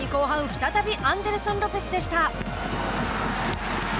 再びアンデルソン・ロペスでした。